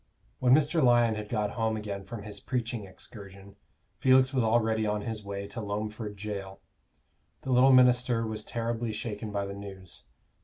When Mr. Lyon had got home again from his preaching excursion, Felix was already on his way to Loamford Jail. The little minister was terribly shaken by the news.